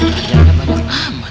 lanjaknya banyak amat